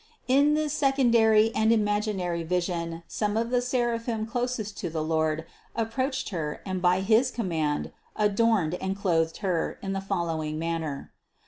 435. In this secondary and imaginary vision some of the seraphim closest to the Lord approached Her and by his command adorned and clothed Her in the following manner.